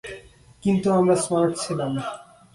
কিন্তু আমরা স্মার্ট ছিলাম।